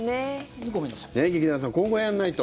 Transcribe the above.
劇団さん、こうやらないと。